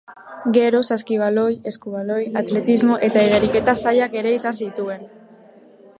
Gero saskibaloi, eskubaloi, atletismo eta igeriketa sailak ere izan zituen.